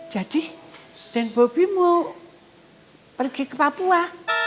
jadi dan bobby mau pergi ke papua